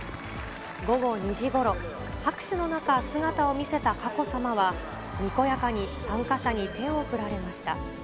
午後２時ごろ、拍手の中、姿を見せた佳子さまは、にこやかに参加者に手を振られました。